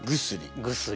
「薬」。